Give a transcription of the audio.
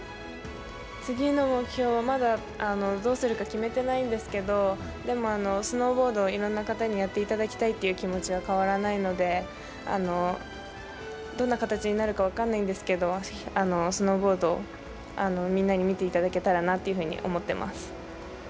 次の目標は、まだどうするか決めてないんですけれども、でも、スノーボードをいろんな方にやっていただきたいという気持ちは変わらないので、どんな形になるか分かんないんですけど、スノーボード、みんなに見ていただけたらなというふうに思ってます。